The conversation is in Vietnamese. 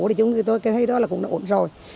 thì chúng tôi thấy đó cũng ổn rồi